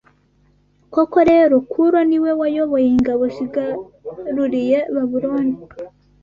Koko rero Kuro ni we wayoboye ingabo zigaruriye Babuloni.